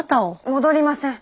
戻りません。